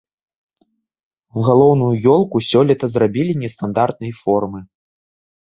Галоўную ёлку сёлета зрабілі нестандартнай формы.